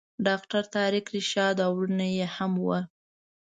ډاکټر طارق رشاد او وروڼه یې هم ول.